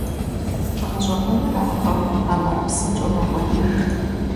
ГъэщӀэгъуэныракъэ, а мэр псынщӀэу мэкӀуэдыж.